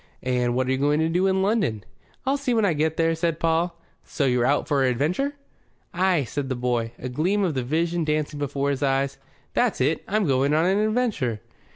"And what are you going to do in London?" "I'll see when I get there," said Paul. "So you're out for adventure?" "Ay," said the boy, a gleam of the Vision dancing before his eyes. "That's it. I'm going on an adventure."